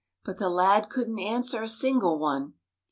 But the lad couldn't answer a single one.